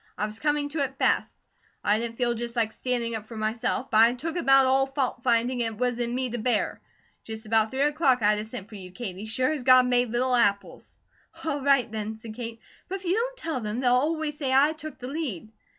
I was coming to it fast. I didn't feel just like standing up for myself; but I'd took about all fault finding it was in me to bear. Just about three o'clock I'd a sent for you, Katie, sure as God made little apples." "All right then," said Kate, "but if you don't tell them, they'll always say I took the lead."